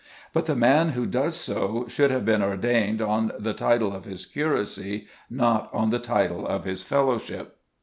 But the man who does so should have been ordained on the title of his curacy, not on the title of his fellowship.